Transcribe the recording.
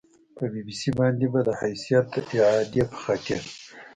په بي بي سي باندې به د حیثیت د اعادې په خاطر